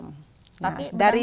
tapi benang toko juga